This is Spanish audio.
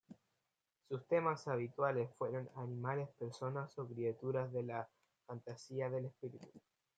Sus temas habituales fueron animales, personas o criaturas de la fantasía del espíritu.